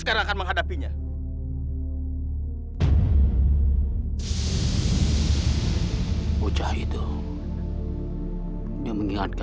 kamu akan sendiri menrah trans internasional